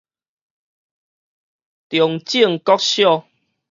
西區中正國小